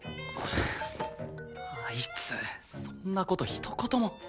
あいつそんな事ひと言も。